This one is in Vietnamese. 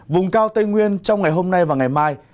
vùng cao tây nguyên trong ngày hôm nay và ngày mai